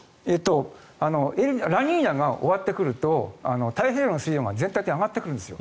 ラニーニャが終わってくると、太平洋の水温が全体的に上がってくるんです。